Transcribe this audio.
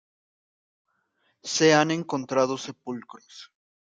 Se han encontrado sepulcros.